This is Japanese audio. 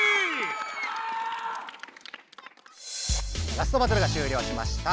ラストバトルが終了しました。